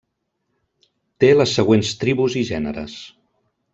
Té les següents tribus i gèneres.